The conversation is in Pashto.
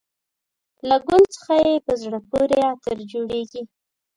له ګل څخه یې په زړه پورې عطر جوړېږي.